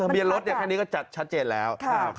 เบียนรถคันนี้ก็จัดชัดเจนแล้ว